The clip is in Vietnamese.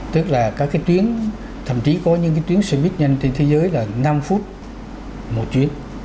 tức là các cái tuyến thậm chí có những tuyến xe buýt nhanh trên thế giới là năm phút một chuyến